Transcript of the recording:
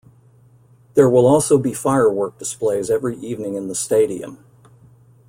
There will also be firework displays every evening in the stadium.